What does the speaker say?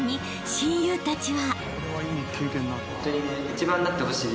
［親友たちは］